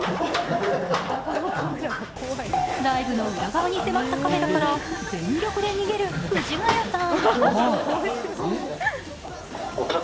ライブの裏側に迫ったカメラから全力で逃げる藤ヶ谷さん。